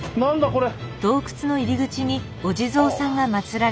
これ。